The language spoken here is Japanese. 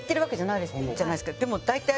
でも大体。